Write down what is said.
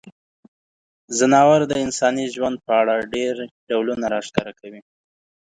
ځناور د انساني ژوند په اړه ډیری ډولونه راښکاره کوي.